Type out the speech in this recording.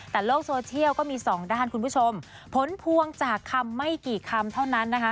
แต่โลกโซเชียลก็มีสองด้านคุณผู้ชมผลพวงจากคำไม่กี่คำเท่านั้นนะคะ